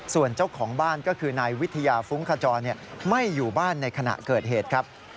ส่วนเจ้าของบ้านก็คือนายวิทยาฟุ้งขจรไม่อยู่บ้านในขณะเกิดเหตุครับ